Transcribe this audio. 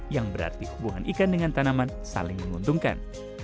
yang berarti hubungan ikan dengan tanaman saling menguntungkan